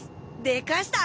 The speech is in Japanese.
でかした！